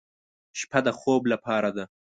شپه د خوب لپاره ده.